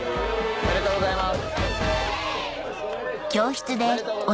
おめでとうございます。